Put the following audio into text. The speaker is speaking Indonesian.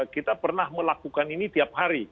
kita pernah melakukan ini tiap hari